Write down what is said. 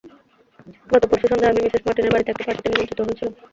গত পরশু সন্ধ্যায় আমি মিসেস মার্টিনের বাড়ীতে একটা পার্টিতে নিমন্ত্রিত হয়েছিলাম।